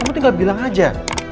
kamu tinggal bilang aja